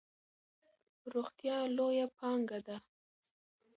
روغتیا لویه پانګه ده.